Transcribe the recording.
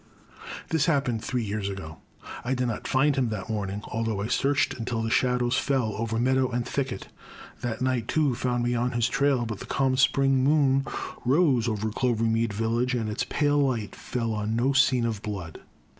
This happened three years ago; I did not find him that morning although I searched until the shadows fell over meadow and thicket. That night too found me on his trail, but the calm The Crime. 267 Spring moon rose over Clovermead village and its pale light fell on no scene of blood.